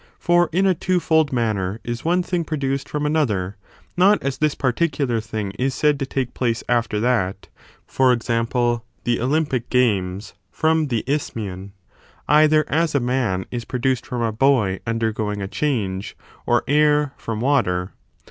For, in a twofold manner,^ is one thing produced from another, — not as this particular thing is said to take place after that ; for example, the Olympic games from the Isthmsean, — either as a man is produced from a boy imdergoing a change, or air from water.